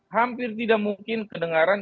hampir tidak mungkin kedengaran